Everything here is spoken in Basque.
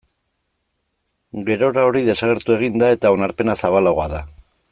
Gerora hori desagertu egin da eta onarpena zabalagoa da.